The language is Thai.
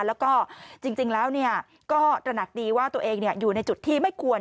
แล้วก็จริงแล้วก็ตระหนักดีว่าตัวเองอยู่ในจุดที่ไม่ควร